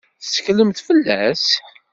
Tetteklemt fell-as?